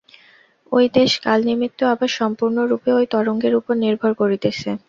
ঐ দেশ-কাল-নিমিত্ত আবার সম্পূর্ণরূপে ঐ তরঙ্গের উপর নির্ভর করিতেছে।